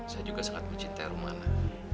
saya juga sangat mencintai rumah